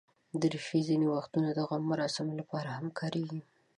دریشي ځینې وختونه د غم مراسمو لپاره هم کارېږي.